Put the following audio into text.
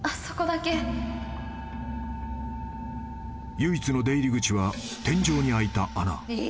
［唯一の出入り口は天井に開いた穴］